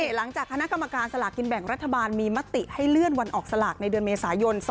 หลังจากคณะกรรมการสลากกินแบ่งรัฐบาลมีมติให้เลื่อนวันออกสลากในเดือนเมษายน๒๕๖